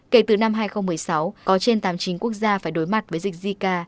kể từ năm hai nghìn một mươi sáu có trên tám mươi chín quốc gia phải đối mặt với dịch zika